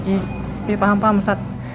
iya paham paham ustadz